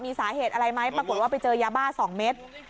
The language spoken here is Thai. มีสาเหตุอะไรไหมปรากฏว่าไปเจอยาบ้า๒เม็ด